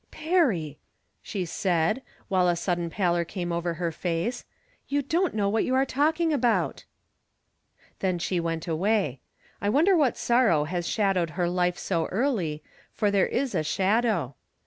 I'rom Different Standpoints. 51 " Perry," slie said, while a sudden pallor came oyer lier face, " you don't know what you are talking about." Then she went away. I wonder what sorrow has shadowed her life so early, for there is a shadow.